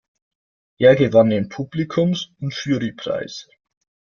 Er gewann den Publikums- und Jurypreis.